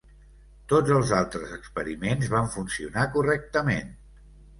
Tots els altres experiments van funcionar correctament.